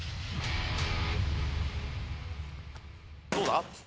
どうだ？